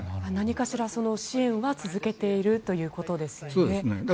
何かしら支援は続けているということですね。